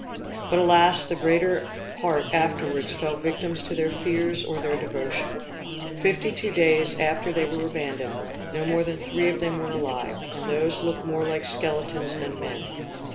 But alas! the greater part afterwards fell victims to their fears or their devotion. Fifty two days after they were abandoned, no more than three of them were alive, and those looked more like skeletons than men.